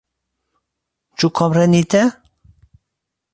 Ĉu komprenite?